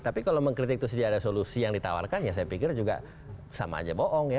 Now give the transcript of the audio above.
tapi kalau mengkritik itu tidak ada solusi yang ditawarkan ya saya pikir juga sama aja bohong ya